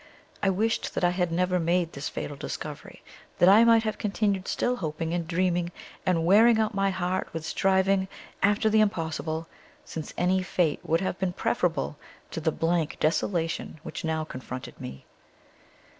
I wished that I had never made this fatal discovery, that I might have continued still hoping and dreaming, and wearing out my heart with striving after the impossible, since any fate would have been preferable to the blank desolation which now confronted me.